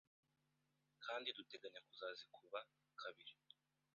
kandi duteganya kuzazikuba kabiri